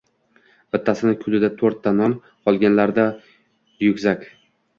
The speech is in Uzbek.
Bittasini kulida to’rtta non. Qolganlarida ryugzag